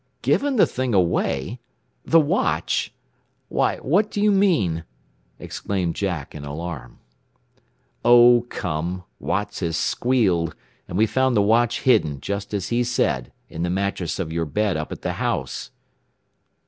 "Given the thing away? The watch? Why, what do you mean?" exclaimed Jack in alarm. "Oh, come! Watts has squealed, and we found the watch hidden, just as he said, in the mattress of your bed up at the house."